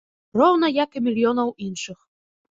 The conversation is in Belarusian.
Роўна як і мільёнаў іншых.